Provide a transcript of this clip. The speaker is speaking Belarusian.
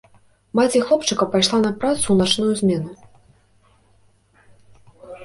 Маці хлопчыка пайшла на працу ў начную змену.